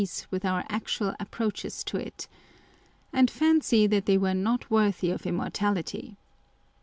pace with our actual approaches to it), and fancy that they were not worthy of immortality.